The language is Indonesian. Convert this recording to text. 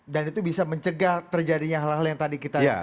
dan itu bisa mencegah terjadinya hal hal yang tadi kasih